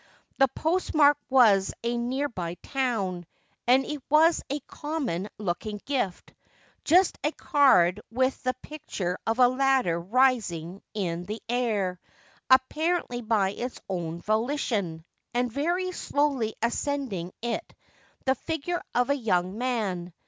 The post mark was a near by town, and it was a common looking gift just a card with the picture of a ladder rising in the air, apparently by its own volition, and very slowly ascending it the figure of a young man.